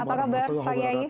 apa kabar pak kiai